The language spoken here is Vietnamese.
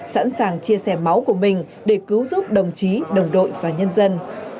sẵn sàng chia sẻ máu của mình để cứu giúp đồng chí đồng đội và nhân dân